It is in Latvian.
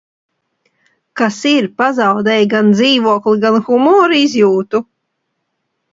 Kas ir, pazaudēji gan dzīvokli, gan humora izjūtu?